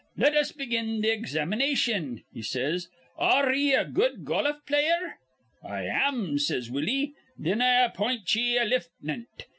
Let us begin th' examination,' he says. 'Ar re ye a good goluf player?' 'I am,' says Willie. 'Thin I appint ye a liftnant.